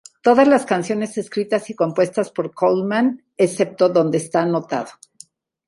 Todas las canciones escritas y compuestas por Coleman, excepto donde esta anotado.